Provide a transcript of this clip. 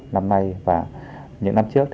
năm nay và những năm trước